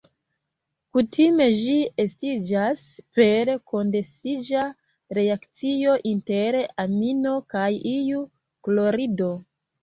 Kutime ĝi estiĝas per kondensiĝa reakcio inter amino kaj iu klorido.